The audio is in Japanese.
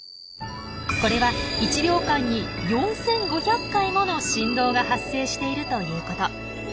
これは１秒間に４５００回もの振動が発生しているということ。